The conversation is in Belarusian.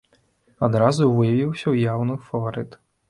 Адразу выявіўся яўны фаварыт.